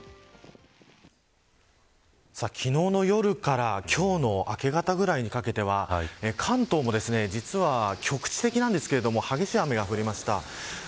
昨日の夜から今日の明け方くらいにかけては関東も、実は局地的なんですけど激しい雨が降りました。